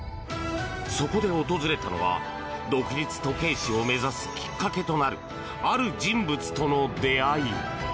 そこで訪れたのは、独立時計師を目指すきっかけとなるある人物との出会い。